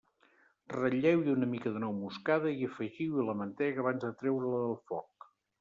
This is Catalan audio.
Ratlleu-hi una mica de nou moscada i afegiu-hi la mantega abans de treure-la del foc.